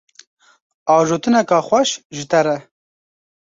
Ajotineka xweş ji te re!